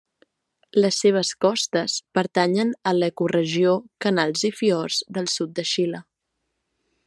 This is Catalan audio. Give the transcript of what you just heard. Les seves costes pertanyen a l'ecoregió canals i fiords del sud de Xile.